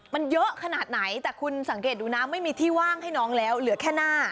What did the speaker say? มันเยอะขนาดไหนแต่คุณสังเกตดูนะไม่มีที่ว่างให้น้องแล้วเหลือแค่หน้า